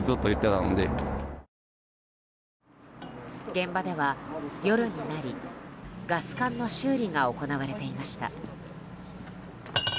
現場では夜になりガス管の修理が行われていました。